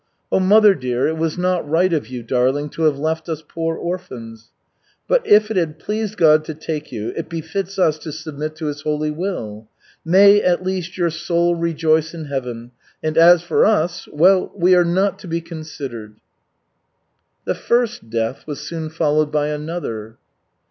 Oh, mother dear, it was not right of you, darling, to have left us poor orphans. But if it had pleased God to take you, it befits us to submit to His holy will. May, at least, your soul rejoice in heaven, and as for us well, we are not to be considered." The first death was soon followed by another.